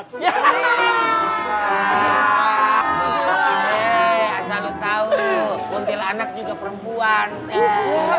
heee asal lo tau kuntilanak juga perempuan